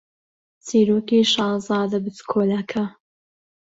چیرۆکی شازادە بچکۆڵەکە